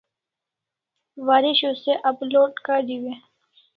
Waresho se upload kariu e?